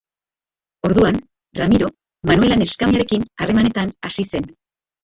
Orduan, Ramiro Manuela neskamearekin harremanetan hasi zen.